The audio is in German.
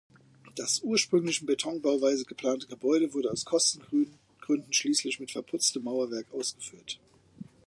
Das ursprünglich in Betonbauweise geplante Gebäude wurde aus Kostengründen schließlich mit verputztem Mauerwerk ausgeführt.